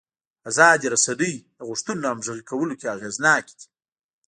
ازادې رسنۍ د غوښتنو همغږي کولو کې اغېزناکې دي.